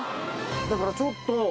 だからちょっと。